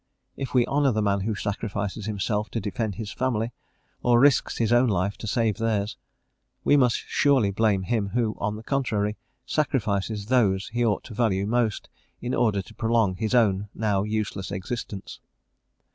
If we honour the man who sacrifices himself to defend his family, or risks his own life to save theirs, we must surely blame him who, on the contrary, sacrifices those he ought to value most, in order to prolong his own now useless existence.